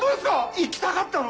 行きたかったの？